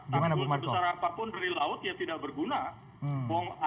timbul sebesar apapun dari laut ya tidak berguna